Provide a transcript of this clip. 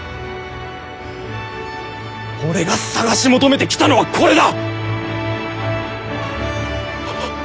俺が探し求めてきたのはこれだ！